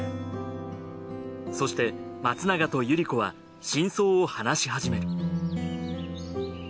そして松永とゆり子は真相を話し始める。